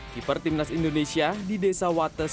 keeper timnas indonesia di desa wates